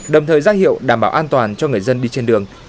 đồng thời ra hiệu đảm bảo an toàn cho người dân đi trên đường